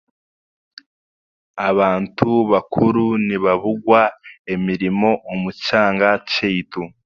Abantu bakuru nibaburwa emirimo omu kyanga kyaitu